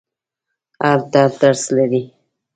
هر درد درس لري.